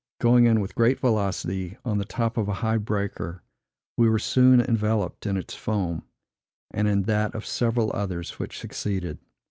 Going in with great velocity, on the top of a high breaker, we were soon enveloped in its foam, and in that of several others which succeeded.